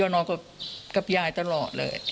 ยอมหนังกับยายตลอดเลย